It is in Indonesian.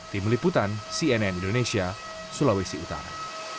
tim liputan cnn indonesia sulawesi utara